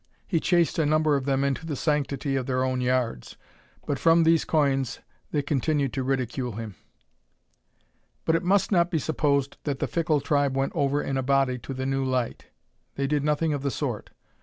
He chased a number of them into the sanctity of their own yards, but from these coigns they continued to ridicule him. But it must not be supposed that the fickle tribe went over in a body to the new light. They did nothing of the sort.